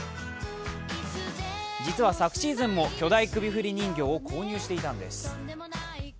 実は昨シーズンも巨大首振り人形を購入していたんです。